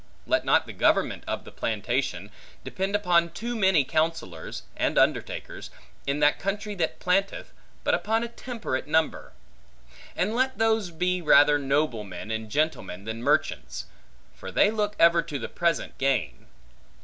Let not the government of the plantation, depend upon too many counsellors, and undertakers, in the country that planteth, but upon a temperate number; and let those be rather noblemen and gentlemen, than merchants; for they look ever to the present gain.